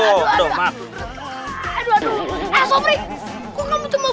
sesama muslim itu bersaudara seperti satu tubuh